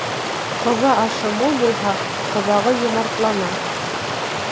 Ҡоҙа ашы мул булһа, ҡоҙағый йомартлана.